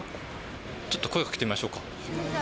ちょっと声をかけてみましょうか。